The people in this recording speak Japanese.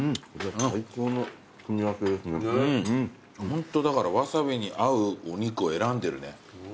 ホントだからわさびに合うお肉を選んでるね。